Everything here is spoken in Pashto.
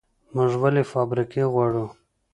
موږ ولې فابریکې غواړو؟